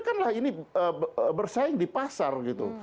kanlah ini bersaing di pasar gitu